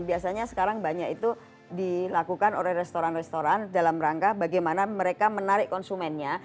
biasanya sekarang banyak itu dilakukan oleh restoran restoran dalam rangka bagaimana mereka menarik konsumennya